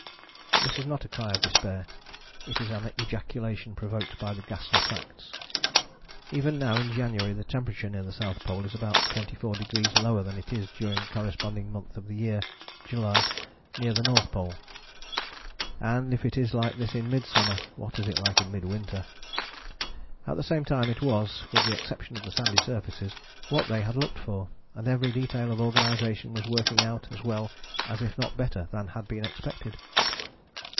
" This is not a cry of despair. It is an ejaculation provoked by the ghastly facts. Even now in January the temperature near the South Pole is about 24° lower than it is during the corresponding month of the year (July) near the North Pole, and if it is like this in mid summer, what is it like in mid winter? At the same time it was, with the exception of the sandy surfaces, what they had looked for, and every detail of organization was working out as well as if not better than had been expected.